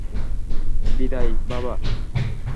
বিদায়, বাবা।